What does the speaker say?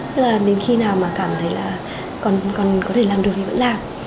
tức là đến khi nào mà cảm thấy là còn có thể làm được thì vẫn làm